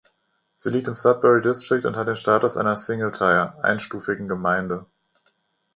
Sie liegt im Sudbury District und hat den Status einer Single Tier ("einstufigen Gemeinde").